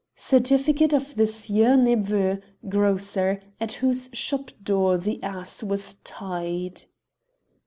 Certificate of the Sieur Nepveux, grocer, at whose shop door the ass was tied.